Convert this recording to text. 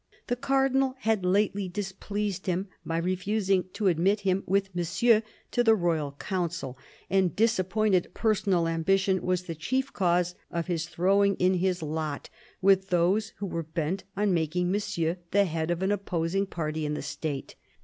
The Cardinal had lately displeased him by refusing to admit him, with Monsieur, to the royal Council ; and disappointed personal ambition was the chief cause of his throwing in his lot with those who were bent on making Monsieur the head of an opposing party in the State.